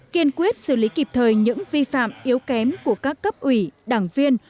kiên quyết xử lý kịp thời những vi phạm yếu kém của các cấp ủy đảng viên